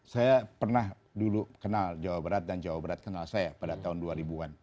saya pernah dulu kenal jawa barat dan jawa barat kenal saya pada tahun dua ribu an